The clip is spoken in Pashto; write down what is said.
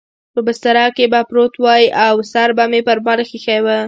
په بستره کې به پروت وای او سر به مې پر بالښت اېښی و.